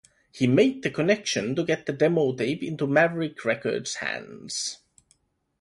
He made the connection to get the demo tape into Maverick Record's Hands.